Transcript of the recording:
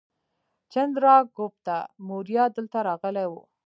چندراګوپتا موریه دلته راغلی و